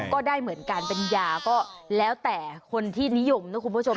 ก็ได้เหมือนกันเป็นยาก็แล้วแต่คนที่นิยมนะคุณผู้ชม